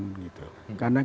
karena kita ingin membangun